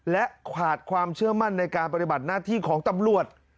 และขาดความเชื่อมั่นในการปฏิบัติหน้าที่ของตำรวจ